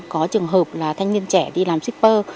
có trường hợp là thanh niên trẻ đi làm shipper